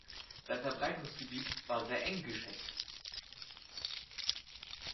Sein Verbreitungsgebiet war sehr eng gesteckt.